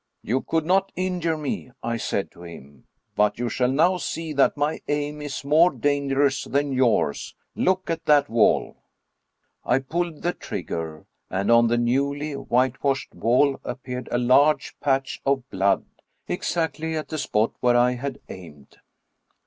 "You could not injure me," I said to him, "but you shall now see that my aim is more dangerous than yours. Look at that wall." I pulled the trigger, and on the newly whitewashed wall appeared a large patch of blood, exactly at the spot where I had aimed.